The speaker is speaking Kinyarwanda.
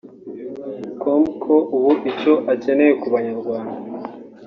com ko ubu icyo akeneye ku banyarwanda